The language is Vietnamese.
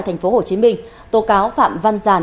thành phố hồ chí minh tố cáo phạm văn giản